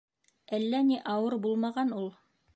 Әллә ни ауыр булмаған ул.